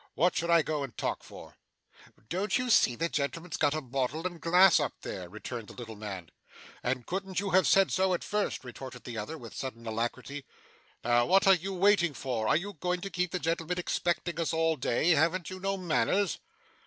What should I go and talk for?' 'Don't you see the gentleman's got a bottle and glass up there?' returned the little man. 'And couldn't you have said so at first?' retorted the other with sudden alacrity. 'Now, what are you waiting for? Are you going to keep the gentleman expecting us all day? haven't you no manners?